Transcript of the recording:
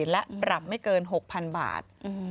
และปรับไม่เกิน๖๐๐๐บาท